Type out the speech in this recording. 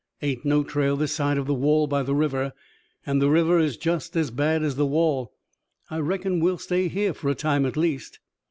"Ain't no trail this side of the wall by the river, and the river is just as bad as the wall. I reckon we'll stay here for a time at least."